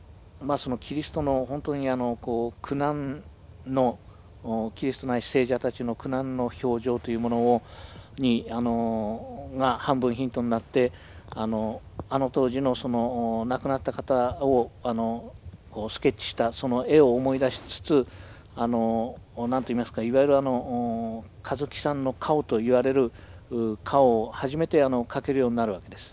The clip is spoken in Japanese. そのキリストの本当に苦難のキリストないし聖者たちの苦難の表情というものが半分ヒントになってあの当時の亡くなった方をスケッチしたその絵を思い出しつつ何と言いますかいわゆるあの香月さんの顔と言われる顔を初めて描けるようになるわけです。